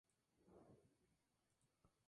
Su voz es interpretada por Jonathan Freeman.